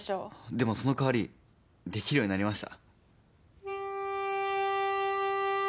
でもそのかわりできるようになりまし